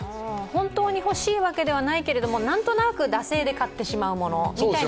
本当にほしいわけではないけれど何となく惰性で買ってしまうものみたいな。